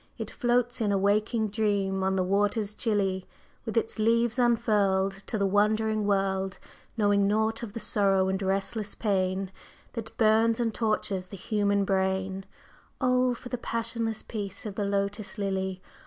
It floats in a waking dream on the waters chilly, With its leaves unfurled To the wondering world, Knowing naught of the sorrow and restless pain That burns and tortures the human brain; Oh, for the passionless peace of the Lotus Lily!